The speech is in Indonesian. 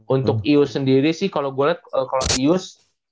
untuk ius sendiri sih kalau gue liat kalau ius